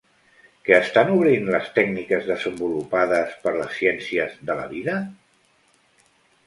Què estan obrint les tècniques desenvolupades per les ciències de la vida?